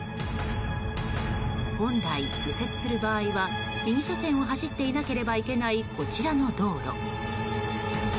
本来、右折する場合は右車線を走っていなければいけないこちらの道路。